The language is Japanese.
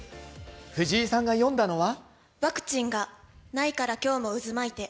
藤井さんが詠んだのは。